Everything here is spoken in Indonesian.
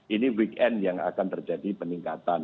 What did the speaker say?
ini weekend yang akan terjadi peningkatan